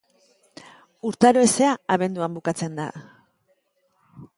Urtaro hezea abenduan bukatzen da.